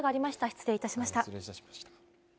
失礼いたしました。